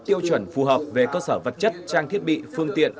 tiêu chuẩn phù hợp về cơ sở vật chất trang thiết bị phương tiện